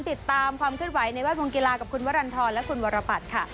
ติดตามความเคลื่อนไหวในแวดวงกีฬากับคุณวรรณฑรและคุณวรปัตรค่ะ